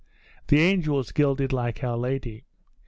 The angel was gilded like Our Lady.